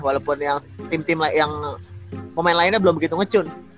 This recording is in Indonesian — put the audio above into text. walaupun yang tim tim yang pemain lainnya belum begitu ngecun